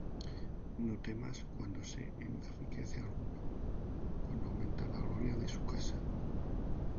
No temas cuando se enriquece alguno, Cuando aumenta la gloria de su casa;